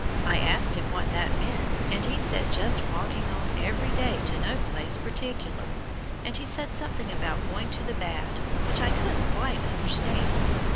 I asked him what that meant, and he said just walking on every day to no place particular. And he said something about going to the bad, which I couldn't quite understand.